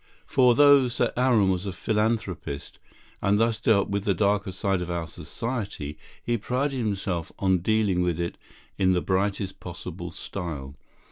For though Sir Aaron was a philanthropist, and thus dealt with the darker side of our society, he prided himself on dealing with it in the brightest possible style.